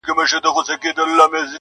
سرکار وايی لا اوسی خامخا په کرنتین کي!.